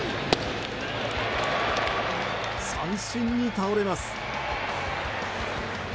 三振に倒れます。